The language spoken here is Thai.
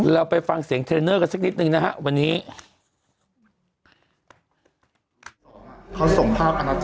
เราไปฟังเสียงเทรนเนอร์กัน